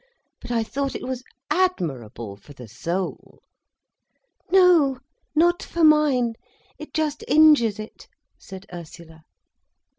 But I thought it was admirable for the soul." "No, not for mine. It just injures it," said Ursula.